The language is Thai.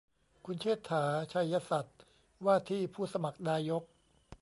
คุณเชษฐา ไชยสัตย์ ว่าที่ผู้สมัครนายก